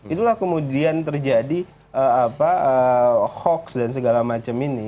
itulah kemudian terjadi hoax dan segala macam ini